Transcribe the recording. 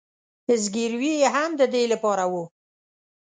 زګیروي یې هم د دې له پاره و.